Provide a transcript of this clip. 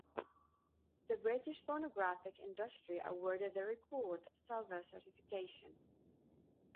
The British Phonographic Industry awarded the record a silver certification.